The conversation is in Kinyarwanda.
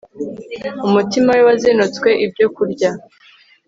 umutima we wazinutswe ibyo kurya